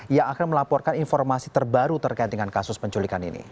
yang akan melaporkan informasi terbaru terkait dengan kasus penculikan ini